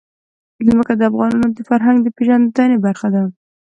ځمکه د افغانانو د فرهنګي پیژندنې برخه ده.